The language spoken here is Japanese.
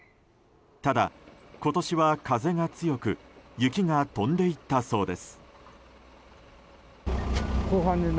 ただ、今年は風が強く雪が飛んでいったそうです。